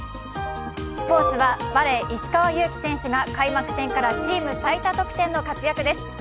スポーツは、バレー石川祐希選手が開幕戦からチーム最多得点の活躍です。